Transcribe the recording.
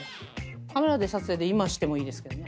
カメラで撮影で今してもいいですけどね。